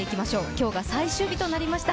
今日が最終日となりました。